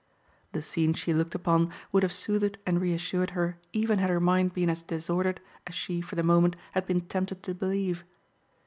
The scene she looked upon would have soothed and reassured her even had her mind been as disordered as she, for the moment, had been tempted to believe.